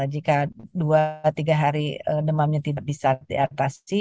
jika dua tiga hari demamnya tidak bisa diatasi